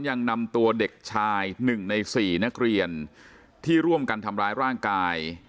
ยังนำตัวเด็กชาย๑ใน๔นักเรียนที่ร่วมกันทำร้ายร่างกาย